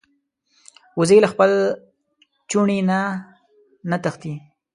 وزې له خپل چوڼي نه نه تښتي